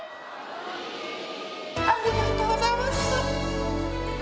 ありがとうございます！